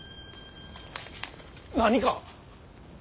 何か？